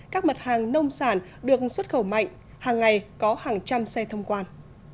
các mặt hàng nông sản được xuất khẩu mạnh hàng ngày có hàng trăm xe thông quan